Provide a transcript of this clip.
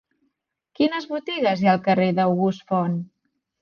Quines botigues hi ha al carrer d'August Font?